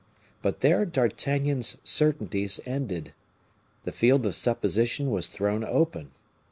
But there D'Artagnan's certainties ended. The field of supposition was thrown open.